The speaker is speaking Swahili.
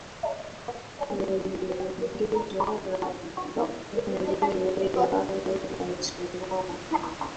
yo iliongezwa na kampuni hiyo ya al alusunah